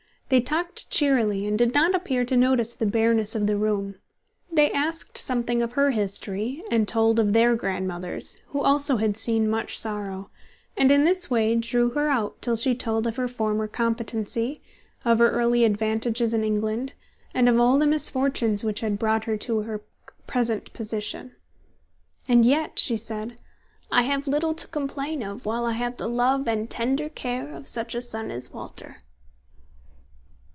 They talked cheerily, and did not appear to notice the bareness of the room. They asked something of her history, and told of their grandmothers, who also had seen much sorrow; and in this way drew her out till she told of her former competency, of her early advantages in England, and of all the misfortunes which had brought her to her present position. "And yet," she said, "I have little to complain of while I have the love and tender care of such a son as Walter."